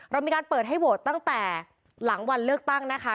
เรามีการเปิดให้โหวตตั้งแต่หลังวันเลือกตั้งนะคะ